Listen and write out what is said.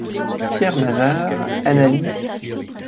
Pierre Mazars analyse qu'.